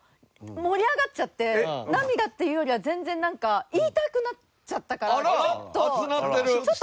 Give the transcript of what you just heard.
盛り上がっちゃって涙っていうよりは全然なんか言いたくなっちゃったからちょっと。